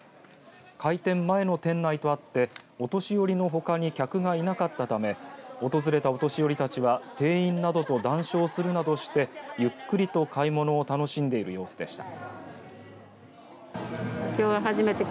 開店前の店内とあってお年寄りのほかに客がいなかったため訪れたお年寄りたちは店員などと談笑するなどしてゆっくりと買い物を楽しんでいる様子でした。